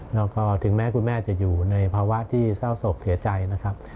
แล้วก็ถึงแม้คุณแม่จะอยู่ในภาวะที่เศร้าโศกเสียใจนะครับ